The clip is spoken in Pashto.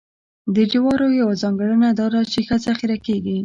د جوارو یوه ځانګړنه دا ده چې ښه ذخیره کېږي.